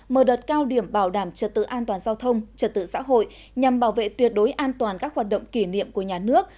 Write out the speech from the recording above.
mở đợt cao điểm bảo đảm trật tự an toàn giao thông trật tự xã hội nhằm bảo vệ tuyệt đối an toàn các hoạt động kỷ niệm của nhà nước